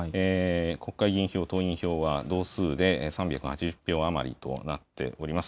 国会議員票、党員票は同数で３８０票余りとなっております。